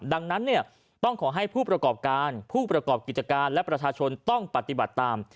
ดังนั้นเนี่ยต้องขอให้ผู้ประกอบการผู้ประกอบกิจการและประชาชนต้องปฏิบัติตาม